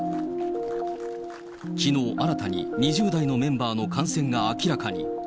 きのう、新たに２０代のメンバーの感染が明らかに。